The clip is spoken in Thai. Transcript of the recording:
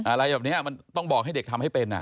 อะไรแบบนี้มันต้องบอกให้เด็กทำให้เป็น